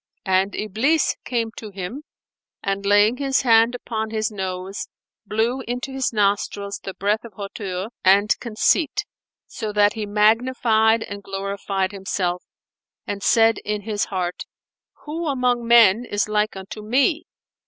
And Iblis came to him and, laying his hand upon his nose, blew into his nostrils the breath of hauteur and conceit, so that he magnified and glorified himself and said in his heart, "Who among men is like unto me?"